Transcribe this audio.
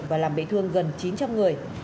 và làm bị thương gần chín trăm linh người